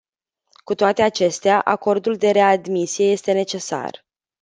Cu toate acestea, acordul de readmisie este necesar.